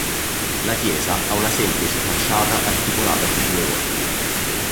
La chiesa ha una semplice facciata articolata su due ordini.